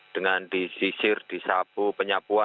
dengan disisir disapu penyapuan